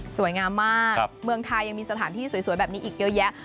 สวยงามมากเมืองไทยยังมีสถานที่สวยแบบนี้อีกเยอะแยะ